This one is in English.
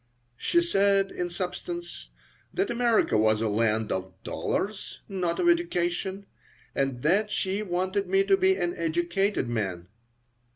She said, in substance, that America was a land of dollars, not of education, and that she wanted me to be an educated man.